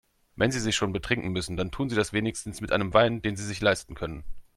Wenn Sie sich schon betrinken müssen, dann tun Sie das wenigstens mit einem Wein, den Sie sich leisten können.